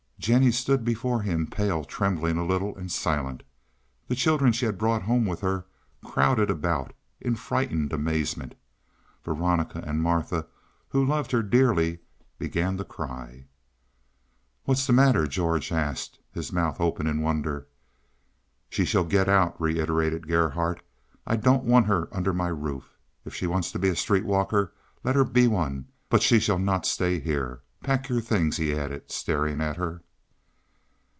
Jennie stood before him, pale, trembling a little, and silent. The children she had brought home with her crowded about in frightened amazement. Veronica and Martha, who loved her dearly, began to cry. "What's the matter?" George asked, his mouth open in wonder. "She shall get out," reiterated Gerhardt. "I don't want her under my roof. If she wants to be a street walker, let her be one, but she shall not stay here. Pack your things," he added, staring at her.